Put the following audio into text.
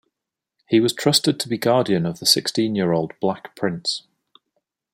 He was trusted to be guardian of the sixteen-year-old Black Prince.